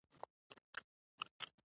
روغتون ته چې را ورسېدم لوند خېشت وم.